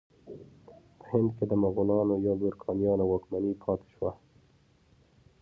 په هند کې د مغلانو یا ګورکانیانو واکمني پاتې شوه.